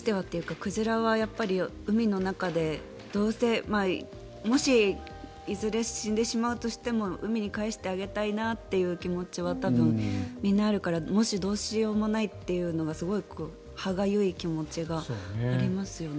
鯨は海の中でもし、いずれ死んでしまうとしても海に帰してあげたいなという気持ちは多分、みんなあるからどうしようもないっていうのがすごい歯がゆい気持ちがありますよね。